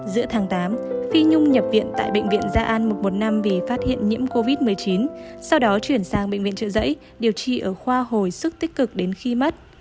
giữa tháng tám phi nhung nhập viện tại bệnh viện gia an một trăm một mươi năm vì phát hiện nhiễm covid một mươi chín sau đó chuyển sang bệnh viện trợ giấy điều trị ở khoa hồi sức tích cực đến khi mất